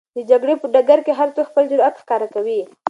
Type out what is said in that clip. د جګړې په ډګر کې هر څوک خپل جرئت ښکاره کوي.